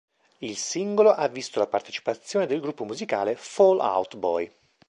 Il singolo ha visto la partecipazione del gruppo musicale Fall Out Boy.